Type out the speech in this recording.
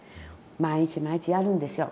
毎日毎日やるんですよ。